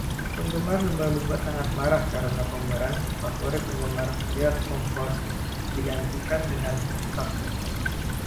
Penggemar lumba-lumba sangat marah karena pemeran favorit penggemar Lloyd Mumphord digantikan dengan Stuckey.